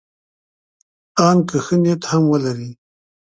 ان که ښه نیت هم ولري.